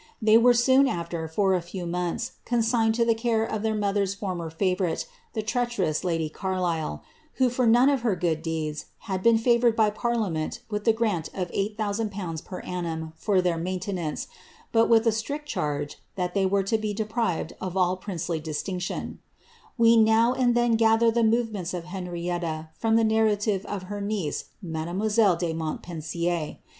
They were soon afler, for a few months, consigned to the care of their mother^s former faTourite, the treacherooa lady Carlisle, who, for none of her good deeds, had been faroured by parliaRient with a grant of 80002. per annum for their maintenance, hot, with a atriet charge, that they were to be deprived of all princely distinetifML We now and then cather the movements of Henrietta from ihm nariao live of her niece, mademoiselle de Montpensier.